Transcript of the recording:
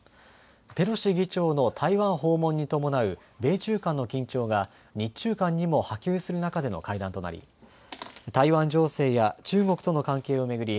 ペロシ議長の台湾訪問に伴う米中間の緊張が日中間にも波及する中での会談となり台湾情勢や中国との関係を巡り